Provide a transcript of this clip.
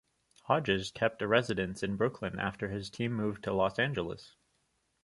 Hodges kept a residence in Brooklyn after his team moved to Los Angeles.